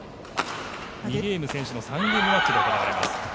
２ゲーム先取の３ゲームマッチで行われます。